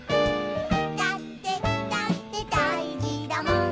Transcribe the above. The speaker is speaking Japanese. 「だってだってだいじだもん」